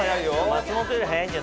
松本より速いんじゃない？